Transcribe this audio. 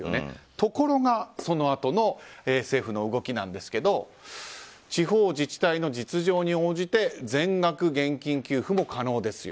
ところが、そのあとの政府の動きなんですが地方自治体の実情に応じて全額現金給付も可能ですよ。